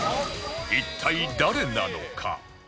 一体誰なのか？